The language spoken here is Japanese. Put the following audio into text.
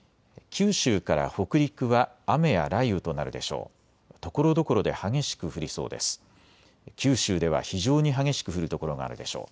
九州から北陸は雨や雷雨となるでしょう。